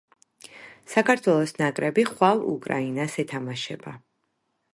საქართველოს ნაკრები ხვალ უკრაინას ეთამაშება